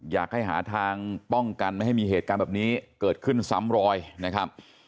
อยากให้หาทางป้องกันไม่ให้มีเหตุการณ์แบบนี้เกิดขึ้นซ้ำรอยนะครับ